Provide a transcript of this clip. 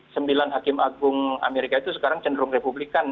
sembilan hakim agung amerika itu sekarang cenderung republikan